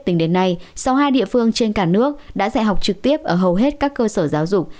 tính đến nay sau hai địa phương trên cả nước đã dạy học trực tiếp ở hầu hết các cơ sở giáo dục